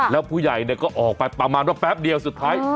แล้วผู้ใหญ่ก็ออกไปประมาณว่าแป๊บเดียวสุดท้าย